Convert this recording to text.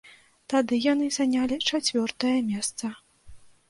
Тады яны занялі чацвёртае месца.